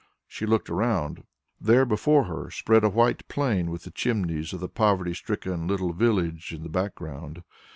She looked around; there before her spread a white plain with the chimneys of the poverty stricken little village in the background.